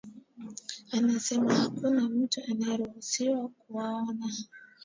amesema hakuna mtu anayeruhusiwa kuwaona